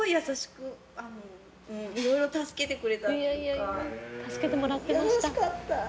いやいや助けてもらってました。